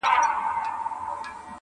ورپسې د لويو لويو جنرالانو،